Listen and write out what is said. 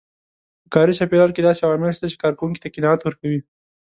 په کاري چاپېريال کې داسې عوامل شته چې کار کوونکو ته قناعت ورکوي.